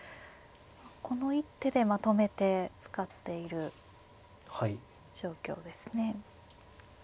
この一手でまとめて使っている状況ですね。